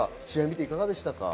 いかがでしたか？